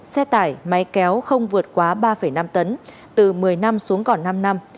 xe tải máy kéo không vượt quá ba năm tấn từ một mươi năm xuống còn năm năm